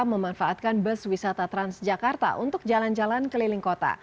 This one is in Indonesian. memanfaatkan bus wisata transjakarta untuk jalan jalan keliling kota